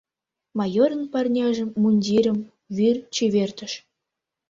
Майорын парняжым, мундирым вӱр чевертыш.